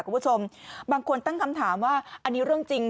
คุณผู้ชมบางคนตั้งคำถามว่าอันนี้เรื่องจริง